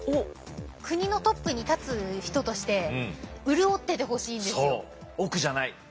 国のトップに立つ人として潤っててほしいんですよ。